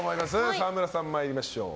沢村さん、参りましょう。